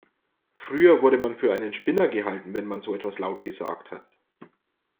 Früher wurde man für einen Spinner gehalten, wenn man so etwas laut gesagt hat.